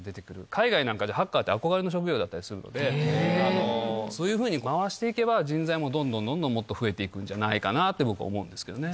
海外なんかでハッカーって、憧れの職業だったりするので、そういうふうに回していけば人材もどんどんどんどんもっと増えていくんじゃないかなぁって、僕、思うんですよね。